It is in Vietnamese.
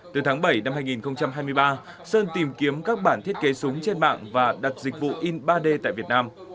từ tháng bảy năm hai nghìn hai mươi ba sơn tìm kiếm các bản thiết kế súng trên mạng và đặt dịch vụ in ba d tại việt nam